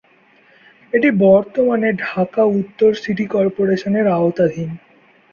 এটি বর্তমানে ঢাকা উত্তর সিটি কর্পোরেশনের আওতাধীন।